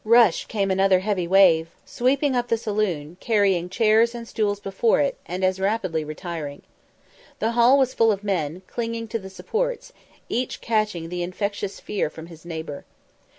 Rush came another heavy wave, sweeping up the saloon, carrying chairs and stools before it, and as rapidly retiring. The hall was full of men, clinging to the supports, each catching the infectious fear from his neighbour.